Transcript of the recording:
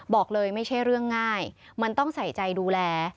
บอกเลยไม่ใช่เรื่องง่ายมันต้องใส่ใจดูแล